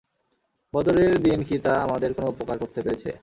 বদরের দিন কি তা আমাদের কোন উপকার করতে পেরেছে?